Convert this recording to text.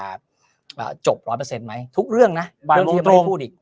จบร้อยเปอร์เซ็นต์ไหมทุกเรื่องนะบางเรื่องที่ยังไม่ได้พูดอีก